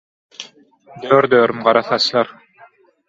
Dört örüm gara saçlar.